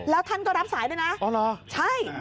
แล้วท่านก็รับสายด้วยนะอ๋อเหรอใช่